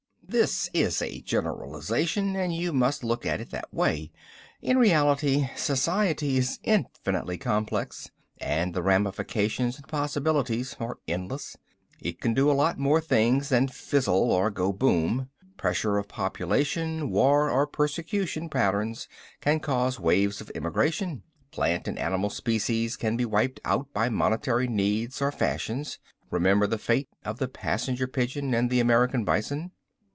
"This is a generalization and you must look at it that way. In reality society is infinitely complex, and the ramifications and possibilities are endless. It can do a lot more things than fizzle or go boom. Pressure of population, war or persecution patterns can cause waves of immigration. Plant and animal species can be wiped out by momentary needs or fashions. Remember the fate of the passenger pigeon and the American bison.